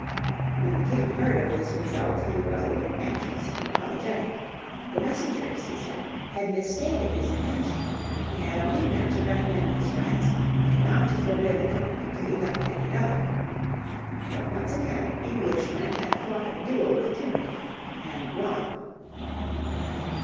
When the King heard of this result he was a little anxious and apologetic. The messengers, he said, had mistaken his intention. He had only meant to recommend his friends, and not to forbid the company to elect any other. But once again Englishmen had fought a duel with tyranny, and won.